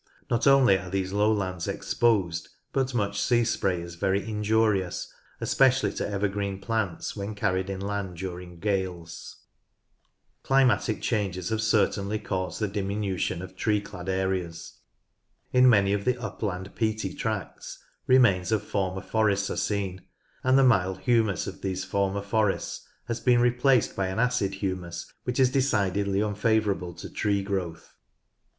Not only are these lowlands exposed, but much sea spray is very injurious, especially to evergreen plants when carried inland during gales. Climatic changes have certainly caused the diminution of tree clad areas. In many of the upland peaty tracts remains of former forests are seen, and the mild humus of these former forests has been replaced by an acid humus which is decidedly unfavourable to tree growth.